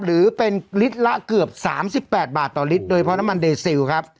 หรือเป็นลิตรละเกือบ๓๘บาทต่อลิตรโดยเพราะน้ำมันเดซิลครับ